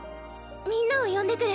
みんなを呼んでくる。